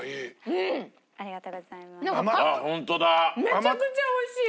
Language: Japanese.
めちゃくちゃ美味しい。